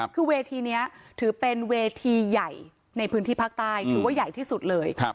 คือเวทีนี้ถือเป็นเวทีใหญ่ในพื้นที่ภาคใต้ถือว่าใหญ่ที่สุดเลย